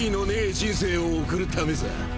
人生を送る為さ。